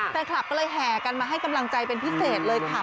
แฟนคลับก็เลยแห่กันมาให้กำลังใจเป็นพิเศษเลยค่ะ